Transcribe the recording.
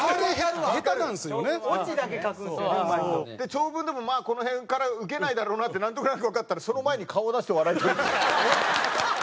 長文でもまあこの辺からウケないだろうなってなんとなくわかったらその前に顔を出して笑いをとる。